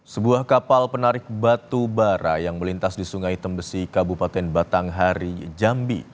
sebuah kapal penarik batu bara yang melintas di sungai tembesi kabupaten batanghari jambi